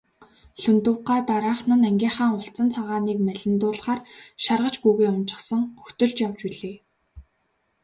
Лхүндэв гуай дараахан нь ангийнхаа улцан цагааныг малиндуулахаар шаргач гүүгээ уначихсан хөтөлж явж билээ.